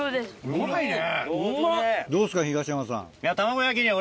うまいね！